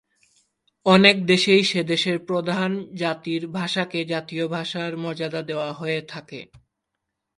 অনেক দেশেই সে দেশের প্রধান জাতির ভাষাকে জাতীয় ভাষার মর্যাদা দেওয়া হয়ে থাকে।